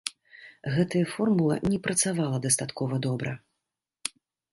Гэтая формула не працавала дастаткова добра.